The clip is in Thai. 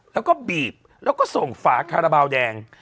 แล้วก็บีบแล้วก็ส่งฝาคาราบาลแดง